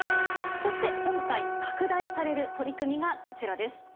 そして今回、拡大される取り組みがこちらです。